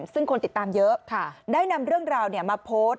ซึ่งคนติดตามเยอะได้นำเรื่องราวมาโพสต์